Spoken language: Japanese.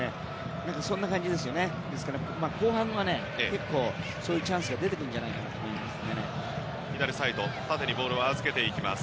そんな感じですから後半は結構そういうチャンスが出てくるんじゃないかと思います。